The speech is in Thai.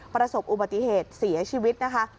ประสบอุบัติเหตุเสียชีวิตนะคะ